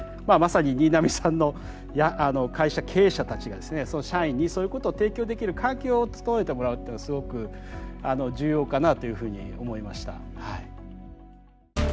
まあまさに新浪さんや会社経営者たちがですね社員にそういうことを提供できる環境を努めてもらうっていうのはすごく重要かなというふうに思いました。